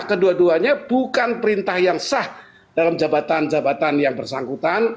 kedua duanya bukan perintah yang sah dalam jabatan jabatan yang bersangkutan